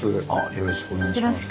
よろしくお願いします。